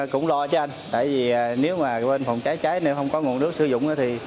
cũng lo chứ anh tại vì nếu mà bên phòng cháy cháy nếu không có nguồn nước sử dụng thì